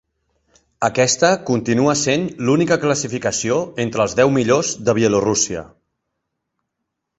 Aquesta continua sent l'única classificació entre els deu millors de Bielorússia.